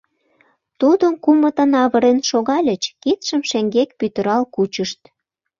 Тудым кумытын авырен шогальыч, кидшым шеҥгек пӱтырал кучышт.